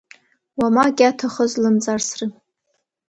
Уамак иаҭахыз лымҵарсра.